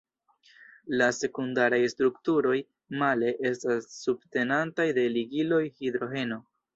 La sekundaraj strukturoj, male, estas subtenataj de ligiloj hidrogeno.